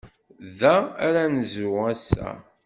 Da ara nezrew ass-a.